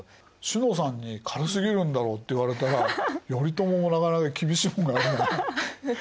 詩乃さんに軽すぎるんだろって言われたら頼朝もなかなか厳しいものがあるね。